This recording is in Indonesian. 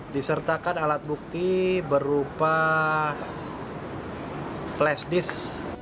disertakan alat bukti berupa flash disk